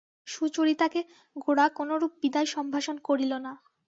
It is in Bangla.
সুচরিতাকে গোরা কোনোপ্রকার বিদায়সম্ভাষণ করিল না।